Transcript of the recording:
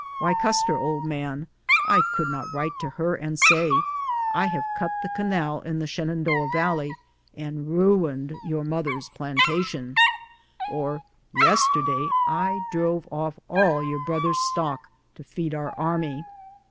Why, Custer, old man, I could not write to her and say, ' I have cut the canal in the Shenandoah Yalley and ruined your mother's plan tation;' or, * Yesterday I drove o£E all your brother's stock to feed our army.'